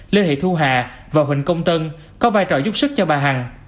lê thị thu hà và huỳnh công tân có vai trò giúp sức cho bà hằng